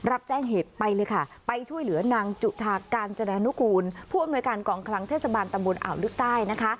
อ่าวลึกใต้นะคะ